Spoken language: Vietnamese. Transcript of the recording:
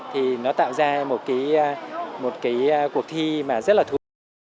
thì nó tạo ra một cái cuộc thi mà rất là thú vị